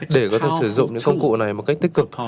để có thể sử dụng những công cụ này một cách tích cực